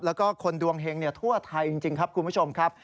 แล้วก็คนดวงเฮงทั่วไทยจริงครับคุณผู้ชมครับ